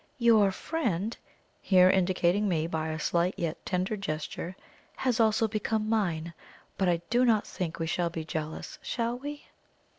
"YOUR friend," here indicating me by a slight yet tender gesture, "has also become mine; but I do not think we shall be jealous, shall we?"